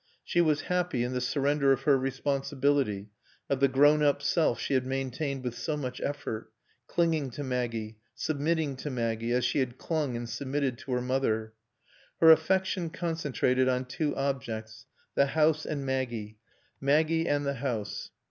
She was happy in the surrender of her responsibility, of the grown up self she had maintained with so much effort, clinging to Maggie, submitting to Maggie, as she had clung and submitted to her mother. Her affection concentrated on two objects, the house and Maggie, Maggie and the house.